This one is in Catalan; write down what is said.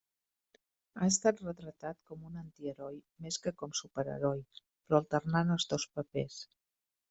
Ha estat retratat com un antiheroi més que com superheroi, però alternant els dos papers.